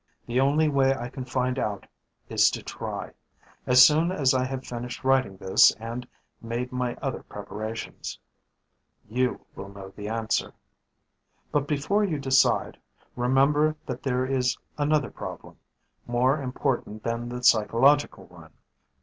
The only way I can find out is to try, as soon as I have finished writing this and made my other preparations. "You will know the answer. "But before you decide, remember that there is another problem, more important than the psychological one.